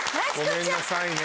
ごめんなさいね